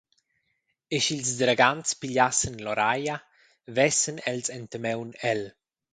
E sch’ils dragants pigliassen Loraia, vessen els enta maun el.